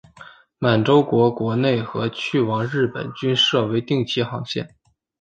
满洲国国内和去往日本均设为定期航线。